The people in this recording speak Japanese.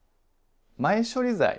前処理剤